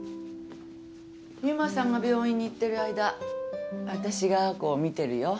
由真さんが病院に行ってる間あたしが亜子を見てるよ。